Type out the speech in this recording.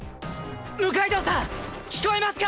六階堂さん聞こえますか？